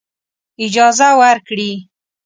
اجازه ورکړي.